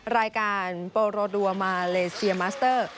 รายการโปโรดัวมาเลเซียมัสเตอร์